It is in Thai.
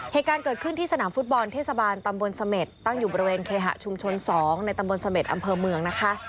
เหตุการณ์เกิดขึ้นที่สนามฟุตบอลเทศบาลตำบลเสม็ดตั้งอยู่บริเวณเคหะชุมชน๒ในตำบลเสม็ดอำเภอเมืองนะคะ